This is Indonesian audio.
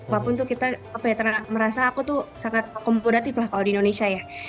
walaupun tuh kita merasa aku tuh sangat akomodatif lah kalau di indonesia ya